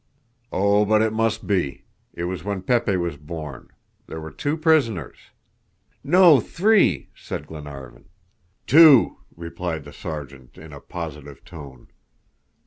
"Oh, but it must be. It was when Pepe was born. There were two prisoners." "No, three!" said Glenarvan. "Two!" replied the Sergeant, in a positive tone.